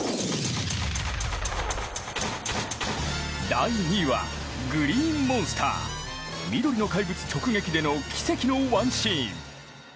第２位は、グリーンモンスター緑の怪物直撃での奇跡のワンシーン。